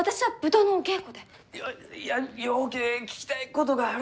いやようけ聞きたいことがある